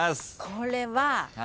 これは。